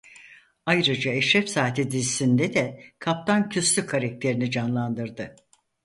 Ayrıca "Eşref Saati" dizisinde de Kaptan Küstü karakterini canlandırdı.